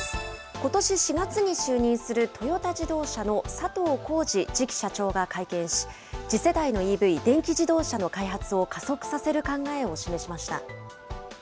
ことし４月に就任する、トヨタ自動車の佐藤恒治次期社長が会見し、次世代のＥＶ・電気自動車の開発を加速させる考えを示しました。